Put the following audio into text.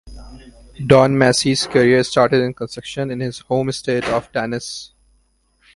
Don Massey’s career started in construction in his home state of Tennessee.